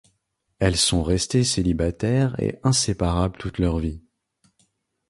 Elles sont restées célibataires et inséparables toute leur vie.